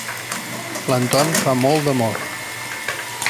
L'Anton fa molt d'amor.